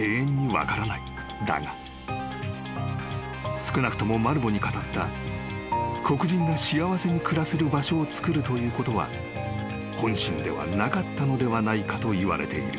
［少なくともマルヴォに語った黒人が幸せに暮らせる場所をつくるということは本心ではなかったのではないかといわれている］